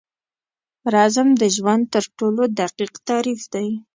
رزم د ژوند تر ټولو دقیق تعریف دی.